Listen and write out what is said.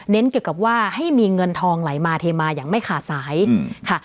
เกี่ยวกับว่าให้มีเงินทองไหลมาเทมาอย่างไม่ขาดสายค่ะ